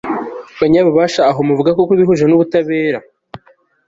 banyabubasha, aho muvuga koko ibihuje n'ubutabera